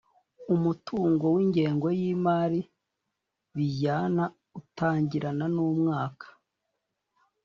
Umutungo w’ingengo y’imari bijyana utangirana n’umwaka